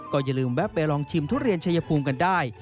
อย่าลืมแวะไปลองชิมทุเรียนชายภูมิกันได้